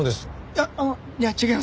いやあの違います。